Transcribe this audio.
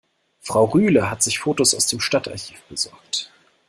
Frau Rühle hat sich Fotos aus dem Stadtarchiv besorgt.